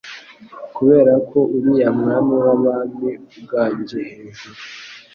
Kuberako uriya Mwami w'abami uganje hejuru